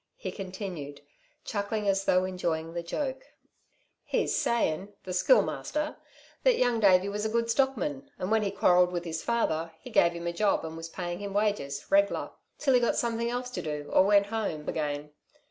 He continued, chuckling, as though enjoying the joke: "He's saying the Schoolmaster that Young Davey was a good stockman, and when he quarrelled with his father he gave him a job and was paying him wages, reg'lar, till he got something else to do, or went home again.